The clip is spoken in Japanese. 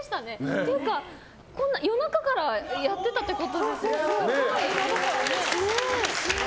っていうか、こんな夜中からやってたってことですよね。